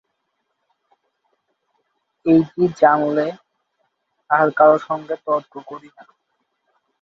এইটি জানলে আর কারও সঙ্গে আমরা তর্ক করি না।